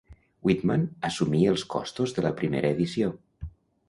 Whitman assumí els costos de la primera edició.